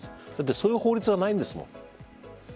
そういう法律がないですもん。